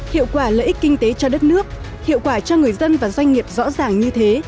hiệu quả lợi ích kinh tế cho đất nước hiệu quả cho người dân và doanh nghiệp rõ ràng như thế